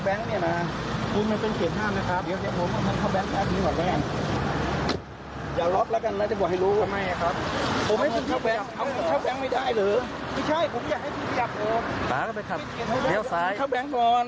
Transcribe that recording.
ก็แป๊บนึงไม่ได้หรอกทำไมต้องเลื่อนก็ขอเอาเงินเข้าแบงก์ก่อน